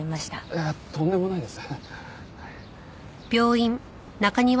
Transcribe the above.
いやとんでもないです。